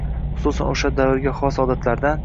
xususan o‘sha davrga xos odatlardan.